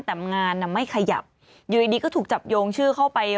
แต่งานไม่ขยับอยู่ดีก็ถูกจับโยงชื่อเข้าไป